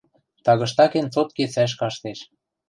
Тагыштакен цотке цӓш каштеш.